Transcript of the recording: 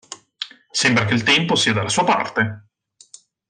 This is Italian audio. Sembra che il tempo sia dalla sua parte.